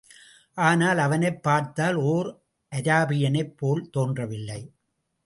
ஆனால் அவனைப் பார்த்தால் ஓர் அராபியனைப் போல் தோன்றவில்லை.